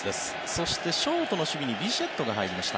そしてショートの守備にビシェットが入りました。